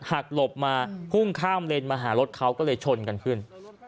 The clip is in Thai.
หลบมาพุ่งข้ามเลนมาหารถเขาก็เลยชนกันขึ้น